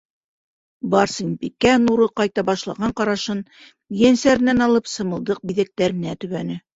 - Барсынбикә нуры ҡайта башлаған ҡарашын ейәнсәренән алып сымылдыҡ биҙәктәренә төбәне.